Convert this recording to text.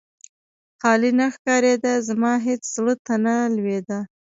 خالي نه ښکارېده، زما هېڅ زړه ته نه لوېده.